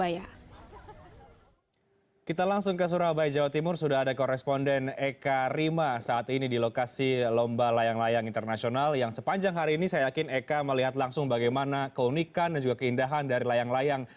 ya renhat selamat siang